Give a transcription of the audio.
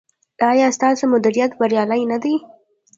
ایا ستاسو مدیریت بریالی نه دی؟